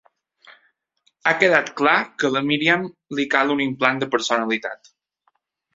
Ha quedat clar que a la Miriam li cal un implant de personalitat.